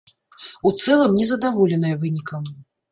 У цэлым не задаволеныя вынікам.